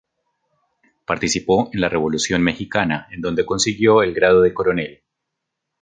Participó en la Revolución mexicana, en donde consiguió el grado de coronel.